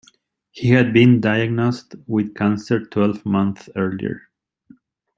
He had been diagnosed with cancer twelve months earlier.